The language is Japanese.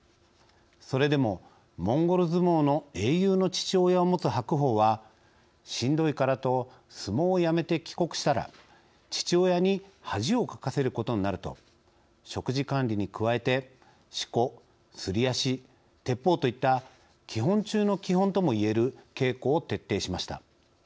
それでもモンゴル相撲の英雄の父親を持つ白鵬は「しんどいからと相撲を辞めて帰国したら父親に恥をかかせることになる」と食事管理に加えてしこ・すり足・てっぽうといった基本中の基本とも言える稽古を徹底しました。